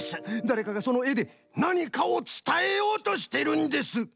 だれかがそのえでなにかをつたえようとしてるんです！